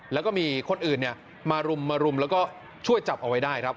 แล้วก็มีคนอื่นมารุมมารุมแล้วก็ช่วยจับเอาไว้ได้ครับ